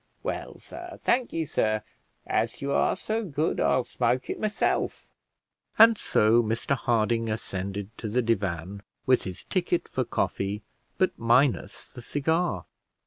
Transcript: Well, sir, thank ye, sir; as you are so good, I'll smoke it myself." And so Mr Harding ascended to the divan, with his ticket for coffee, but minus the cigar.